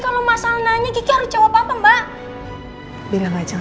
apakah sekarang aku udah nyerah